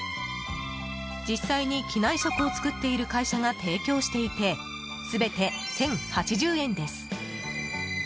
実際に機内食を作っている会社が提供していて全て１０８０円です。